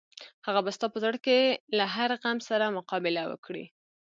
هغه به ستا په زړه کې له هر غم سره مقابله وکړي.